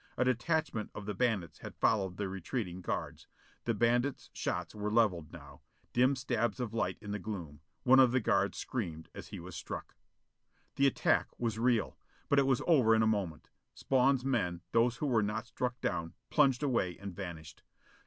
A detachment of the bandits had followed the retreating guards. The bandits' shots were levelled now. Dim stabs of light in the gloom. One of the guards screamed as he was struck. The attack was real! But it was over in a moment. Spawn's men, those who were not struck down, plunged away and vanished.